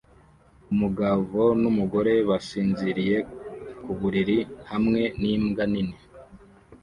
Umugabo numugore basinziriye ku buriri hamwe nimbwa nini